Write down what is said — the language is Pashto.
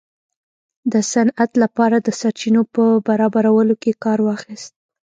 د صنعت لپاره د سرچینو په برابرولو کې کار واخیست.